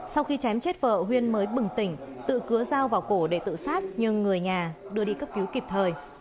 sau khi chém chết vợ huyên mới bừng tỉnh tự cứa dao vào cổ để tự sát nhưng người nhà đưa đi cấp cứu kịp thời